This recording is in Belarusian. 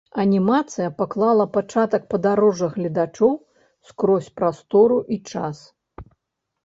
Анімацыя паклала пачатак падарожжа гледачоў скрозь прастору і час.